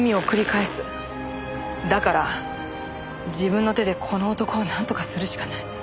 だから自分の手でこの男をなんとかするしかない。